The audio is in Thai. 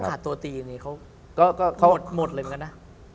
เขาขาดตัวตีอย่างนี้เขาหมดเลยเหรอนะ